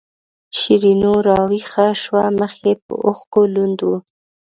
شیرینو راویښه شوه مخ یې په اوښکو لوند و.